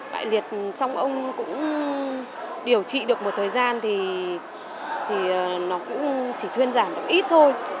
bại liệt xong ông cũng điều trị được một thời gian thì nó cũng chỉ thuyên giảm được ít thôi